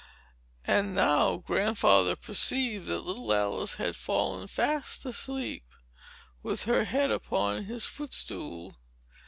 And now Grandfather perceived that little Alice had fallen fast asleep, with her head upon his footstool.